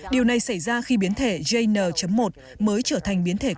điều này xảy ra khi biến thể jn một mới trở thành biến thể